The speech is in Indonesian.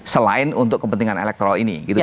selain untuk kepentingan elektoral ini